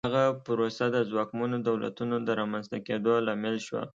دغه پروسه د ځواکمنو دولتونو د رامنځته کېدو لامل شوه.